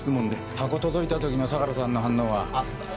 箱届いた時の相良さんの反応は？あっ。